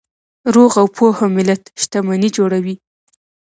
روغ او پوهه ملت شتمني جوړوي.